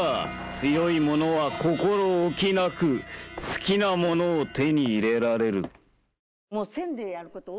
強い者は心置きなく好きなものを手に入れられる。